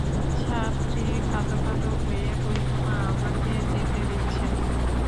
ছাত্রী কাঁদোকাঁদো হইয়া কহিল, মা আমাকে যেতে দিচ্ছে না।